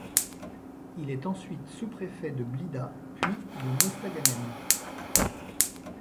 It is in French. Il est ensuite sous-préfet de Blida, puis de Mostaganem.